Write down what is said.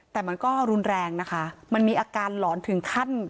แต่มันก็รุนแรงนะคะมันมีอาการหลอนถึงขั้น